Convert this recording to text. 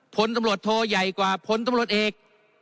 พลตำรวจโทใหญ่กว่าพลตำรวจเอก